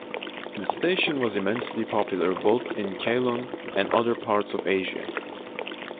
The station was immensely popular both in Ceylon and other parts of Asia.